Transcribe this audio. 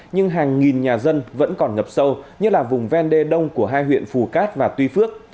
nhưng hàng nghìn nhà dân vẫn còn ngập sâu như là vùng vendê đông của hai huyện phù cát và tuy phước